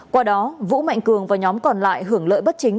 qua đó vũ mạnh cường và nhóm còn lại hưởng lợi bất chính